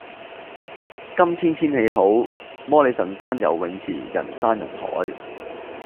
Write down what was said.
今日天氣好，摩理臣山游泳池人山人海。